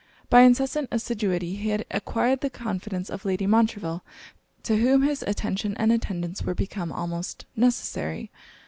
By incessant assiduity he had acquired the confidence of Lady Montreville, to whom his attention and attendance were become almost necessary.